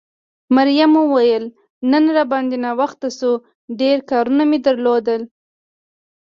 مريم وویل نن را باندې ناوخته شو، ډېر کارونه مې درلودل.